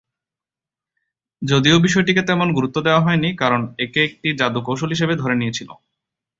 যদিও বিষয়টিকে তেমন গুরুত্ব দেয়া হয়নি কারণ সবাই একে একটি জাদু কৌশল হিসেবে ধরে নিয়েছিল।